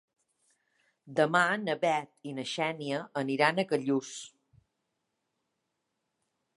Demà na Bet i na Xènia aniran a Callús.